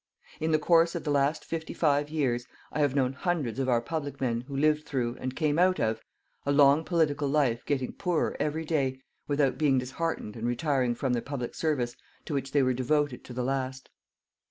In the course of the last fifty five years, I have known hundreds of our public men who lived through, and came out of, a long political life getting poorer every day without being disheartened and retiring from the public service to which they were devoted to the last.